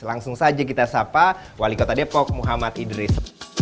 langsung saja kita sapa wali kota depok muhammad idris